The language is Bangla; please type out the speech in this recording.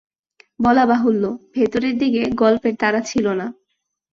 বলা বাহুল্য ভিতরের দিকে গল্পের তাড়া ছিল না।